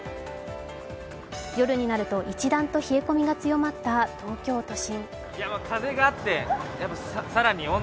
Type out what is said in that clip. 夜になると一段と冷え込みが強まった東京都心。